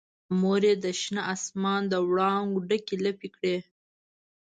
مور یې د شنه اسمان دوړانګو ډکې لپې کړي